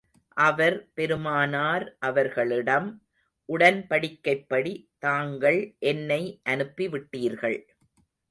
அவர் பெருமானார் அவர்களிடம், உடன்படிக்கைப்படி தாங்கள் என்னை அனுப்பி விட்டீர்கள்.